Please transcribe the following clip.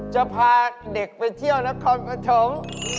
จะพาเด็กไปเที่ยวนครปฐม